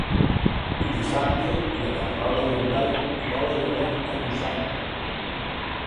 Dissabte na Carlota i en Blai volen anar a Lluçà.